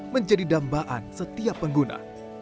menjadi dambaan setiap pengguna